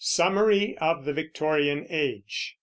SUMMARY OF THE VICTORIAN AGE.